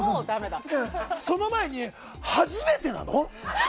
その前に、初めてなの？